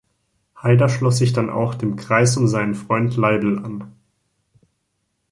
Haider schloss sich dann auch dem Kreis um seinen Freund Leibl an.